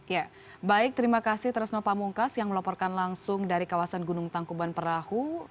ya baik terima kasih tresno pamungkas yang melaporkan langsung dari kawasan gunung tangkuban perahu